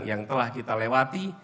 yang telah kita lewati